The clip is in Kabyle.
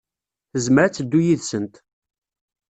Tezmer ad teddu yid-sent.